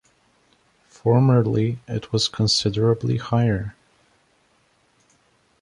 Formerly it was considerably higher.